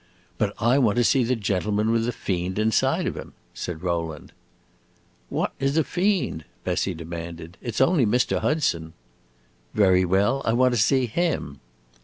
"But I want to see the gentleman with the fiend inside of him," said Rowland. "What is a fiend?" Bessie demanded. "It 's only Mr. Hudson." "Very well, I want to see him."